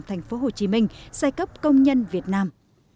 tp hcm giai cấp công nhân việt nam